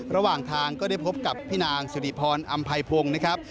ระหว่างทางก็ได้พบกับพี่นางสุริพรอำไพพงศ์นะครับ